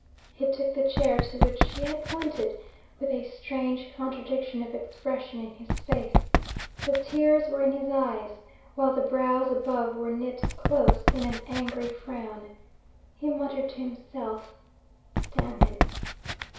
He took the chair to which she had pointed, with a strange contradiction of expression in his face: the tears were in his eyes, while the brows above were knit close in an angry frown. He muttered to himself, 'Damn him!'